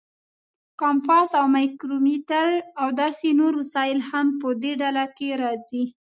کمپاس او مایکرومیټر او داسې نور وسایل هم په دې ډله کې راځي.